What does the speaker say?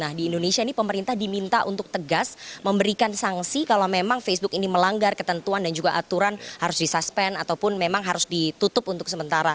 nah di indonesia ini pemerintah diminta untuk tegas memberikan sanksi kalau memang facebook ini melanggar ketentuan dan juga aturan harus disuspend ataupun memang harus ditutup untuk sementara